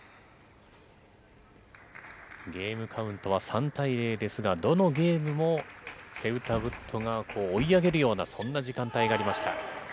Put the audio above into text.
ゲームカウントは３対０ですが、どのゲームもセウタブットが追い上げるような、そんな時間帯がありました。